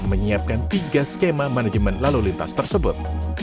menyiapkan tiga skema manajemen lalu lintas tersebut